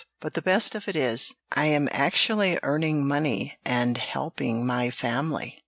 But the best of it is, I am actually earning money and helping my family."